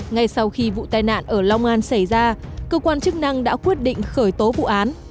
ngay sau khi vụ tai nạn ở long an xảy ra cơ quan chức năng đã quyết định khởi tố vụ án